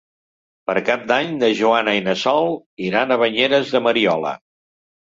Per Cap d'Any na Joana i na Sol iran a Banyeres de Mariola.